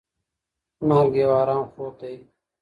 مرګ یو ارام خوب دی.